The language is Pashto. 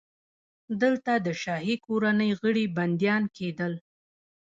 دلته د شاهي کورنۍ غړي بندیان کېدل.